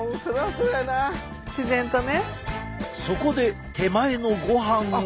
そこで手前のごはんを。